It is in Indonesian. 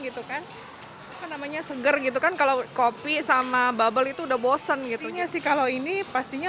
gitu kan namanya seger gitu kan kalau kopi sama bubble itu udah bosen gitunya sih kalau ini pastinya